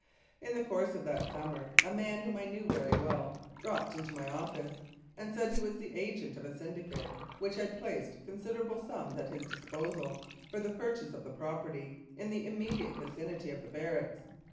In the course of that summer a man, whom I knew very well, dropped into my office, and said he was the agent of a syndicate which had placed considerable sums at his disposal for the purchase of property in the immediate vicinity of the barracks.